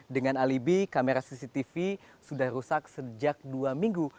dengan alibi kamera cctv sudah rusak sejak dua minggu